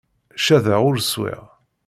Caḍeɣ ur swiɣ.